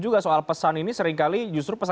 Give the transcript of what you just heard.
juga soal pesan ini seringkali justru